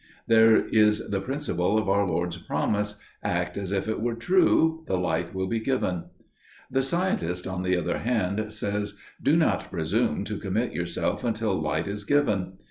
There is the principle of our Lord's promises. 'Act as if it were true, and light will be given.' The scientist on the other hand says, 'Do not presume to commit yourself until light is given.